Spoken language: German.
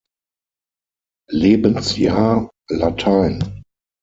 Lebensjahr Latein.